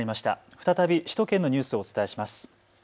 再び首都圏のニュースをお伝えします。